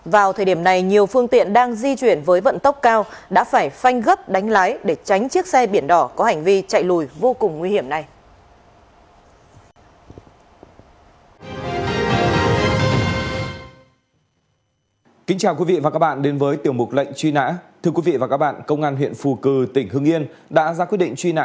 vào thời điểm này nhiều phương tiện đang di chuyển với vận tốc cao đã phải phanh gấp đánh lái để tránh chiếc xe biển đỏ có hành vi chạy lùi vô cùng nguy hiểm này